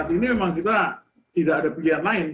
ini memang kita tidak ada pilihan lain